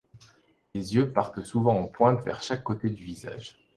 Les yeux partent souvent en pointe vers chaque côté du visage.